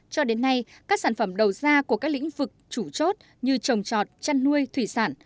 cho đến nay các sản phẩm đầu ra của các lĩnh vực chủ chốt như trồng trọt chăn nuôi thủy sản